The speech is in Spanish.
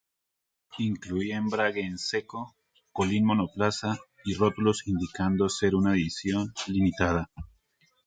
Incluía embrague en seco, colín monoplaza y rótulos indicando ser una edición limitada.